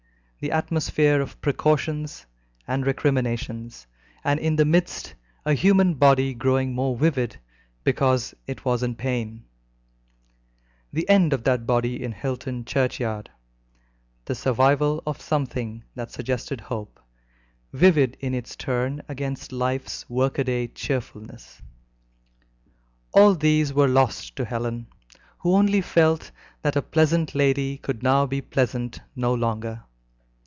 The atmosphere of precautions and recriminations, and in the midst a human body growing more vivid because it was in pain; the end of that body in Hilton churchyard; the survival of something that suggested hope, vivid in its turn against life's workaday cheerfulness; all these were lost to Helen, who only felt that a pleasant lady could now be pleasant no longer.